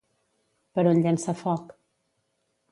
Per on llença foc?